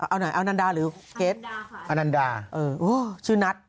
เอาหน่อยเอานันดาหรือเกรษชื่อนัท